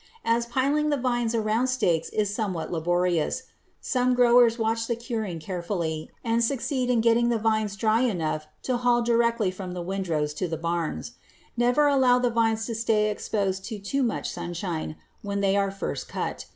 As piling the vines around stakes is somewhat laborious, some growers watch the curing carefully and succeed in getting the vines dry enough to haul directly from the windrows to the barns. Never allow the vines to stay exposed to too much sunshine when they are first cut.